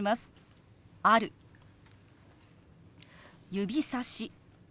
「指さし」。